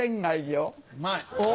・うまい！